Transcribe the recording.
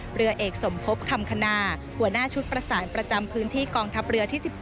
เรือเอกสมภพคำคณาหัวหน้าชุดประสานประจำพื้นที่กองทัพเรือที่๑๒